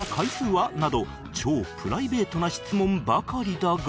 超プライベートな質問ばかりだが